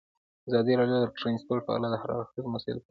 ازادي راډیو د ترانسپورټ په اړه د هر اړخیزو مسایلو پوښښ کړی.